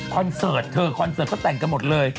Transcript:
เสิร์ตเธอคอนเสิร์ตเขาแต่งกันหมดเลย